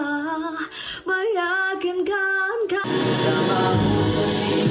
kau yang meyakinkan kau